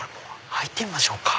入ってみましょうか。